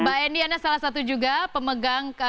mbak eni anda salah satu juga pemegang